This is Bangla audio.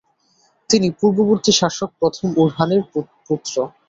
তিনি পূর্ববর্তী শাসক প্রথম ওরহানের পুত্র।